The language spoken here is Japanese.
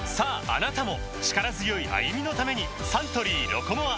あなたも力強い歩みのためにサントリー「ロコモア」